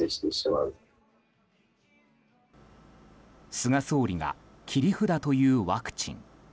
菅総理が切り札というワクチン。